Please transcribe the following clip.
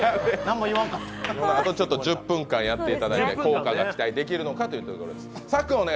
あと１０分間やっていただいて、効果が期待できるのかというところです。